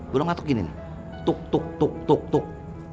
burung matok gini tuh tuh tuh tuh tuh